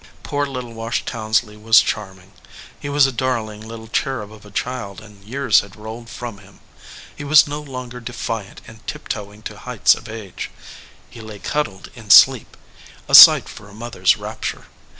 Poor little Wash Townsley was charming. He was a darling little cherub of a child and years had rolled from him. He was no longer defiant and tiptoeing to heights of age. He lay cuddled in sleep, a sight for a mother s rapture.